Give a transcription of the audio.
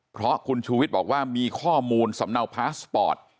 เพราะคุณชูวิทย์บอกว่ามีข้อมูลสำเนาพาสปอร์ต